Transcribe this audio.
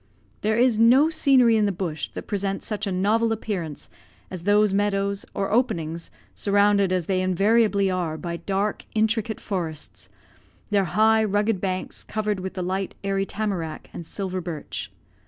There is no scenery in the bush that presents such a novel appearance as those meadows, or openings, surrounded as they invariably are, by dark, intricate forests; their high, rugged banks covered with the light, airy tamarack and silver birch.